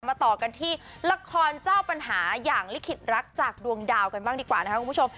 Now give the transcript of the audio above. ต่อกันที่ละครเจ้าปัญหาอย่างลิขิตรักจากดวงดาวกันบ้างดีกว่านะครับคุณผู้ชม